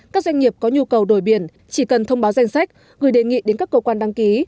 các doanh nghiệp có nhu cầu đổi biển chỉ cần thông báo danh sách gửi đề nghị đến các cơ quan đăng ký